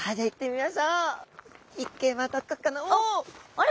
あれ？